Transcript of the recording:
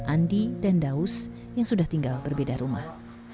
andi dan daus yang sudah tinggal berbeda rumah